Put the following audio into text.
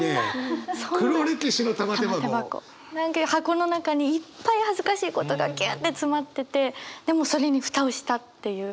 何か箱の中にいっぱい恥ずかしいことがぎゅって詰まっててでもそれに蓋をしたっていう。